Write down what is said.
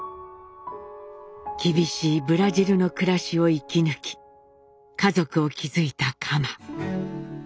厳しいブラジルの暮らしを生き抜き家族を築いた蒲。